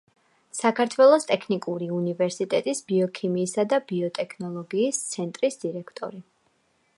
საქართველოს ტექნიკური უნივერსიტეტის ბიოქიმიისა და ბიოტექნოლოგიის ცენტრის დირექტორი.